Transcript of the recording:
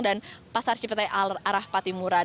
dan juga di depan pasar cipete arah tbs simatupang juga ditutup